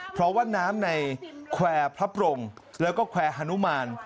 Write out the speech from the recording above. เพราะว่าน้ำในแควร์พระปรงแล้วก็แควร์ฮานุมาน